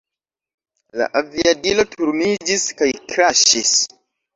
La aviadilo turniĝis kaj kraŝis.